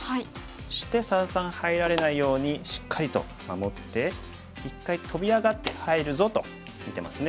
そして三々入られないようにしっかりと守って一回トビ上がって入るぞと見てますね。